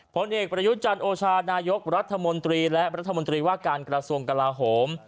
ผลเอกประยุทธ์จันทร์โอชานายกรัฐมนตรีและรัฐมนตรีว่าการกระทรวงกลาโหม